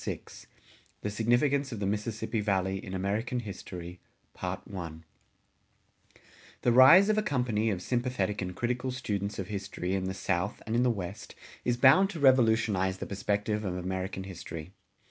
VI THE SIGNIFICANCE OF THE MISSISSIPPI VALLEY IN AMERICAN HISTORY[177:1] The rise of a company of sympathetic and critical students of history in the South and in the West is bound to revolutionize the perspective of American history.